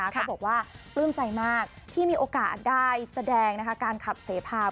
เขาบอกว่าปลื้มใจมากที่มีโอกาสได้แสดงการขับเสพา